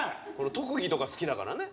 「特技とか好きだからね」